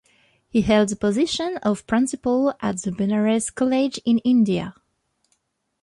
He held the position of principal at the Benares College in India.